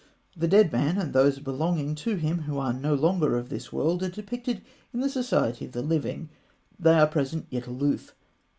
The dead man, and those belonging to him who are no longer of this world, are depicted in the society of the living. They are present, yet aloof.